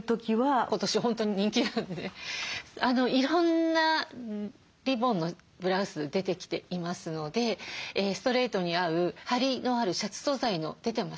今年本当に人気なのでいろんなリボンのブラウス出てきていますのでストレートに合うハリのあるシャツ素材の出てます。